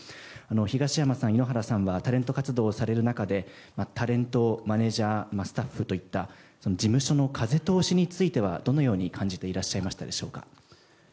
東山さん、井ノ原さんはタレント活動をされる中でタレント、マネジャースタッフといった事務所の風通しについてはどのように感じていらっしゃいましたでしょうか。